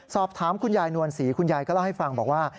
สอบถามคุณยายนวลศรีคุณยายก็เล่าให้ฟังบอกว่า